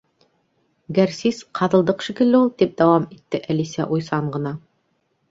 —Гәрсис —ҡаҙылдыҡ шикелле ул, —тип дауам итте Әлисә уйсан ғына.